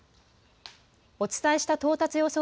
お伝えした到達予想